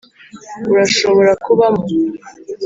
urashobora kubamo,